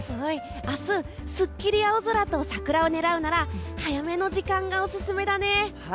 明日すっきり青空と桜を狙うなら早めの時間がオススメだね！